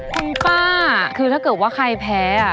คุณป้าคือถ้าเกิดว่าใครแพ้